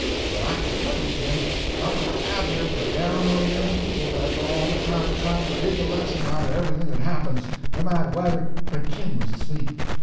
But I can tell you, Jim, Uncle Abner was down on them people that's all the time trying to dig a lesson out of everything that happens, no matter whether—" But Jim was asleep.